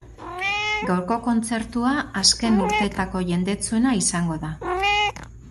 Gaurko kontzertua azken urteetako jendetsuena izango da.